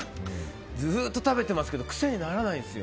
ずっと食べてますけど癖にならないんですよ。